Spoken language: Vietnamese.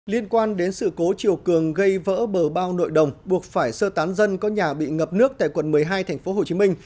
liên quan đến sự cố triều cường gây vỡ bờ bao nội đồng buộc phải sơ tán dân có nhà bị ngập nước tại quận một mươi hai tp hcm